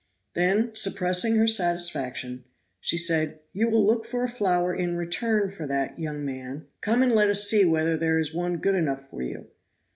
Then, suppressing her satisfaction, she said, "You will look for a flower in return for that, young man; come and let us see whether there is one good enough for you."